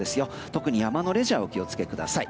特に山のレジャーはお気を付けください。